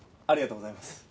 ありがとうございます。